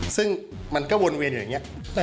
ซึ่งมันก็วนเวียนอยู่อย่างนี้